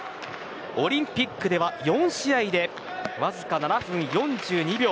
オリンピックでは４試合でわずか７分４２秒。